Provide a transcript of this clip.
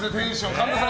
神田さん